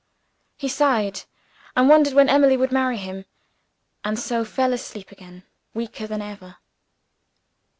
He sighed and wondered when Emily would marry him and so fell asleep again, weaker than ever.